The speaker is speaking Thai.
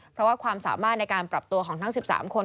เพราะว่าความสามารถในการปรับตัวของทั้ง๑๓คน